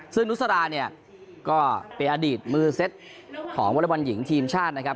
ซึ่งนุสาราเป็นอดีตมือเซ็ตของวรรษบรรยาบรหญิงทีมชาตินะครับ